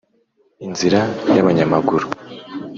inzira y'abanyamaguru